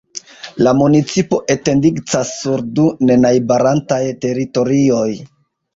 La municipo etendigcas sur du nenajbarantaj teritorioj.